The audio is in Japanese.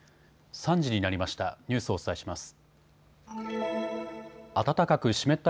３時になりました。